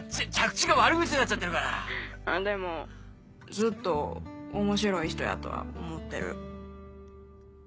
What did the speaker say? ずっと面白い人やとは思ってる。